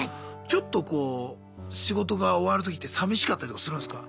ちょっとこう仕事が終わる時ってさみしかったりとかするんすか？